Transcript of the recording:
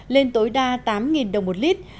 lên tối đa tám đồng một lý